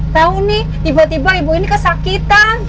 tahu nih tiba tiba ibu ini kesakitan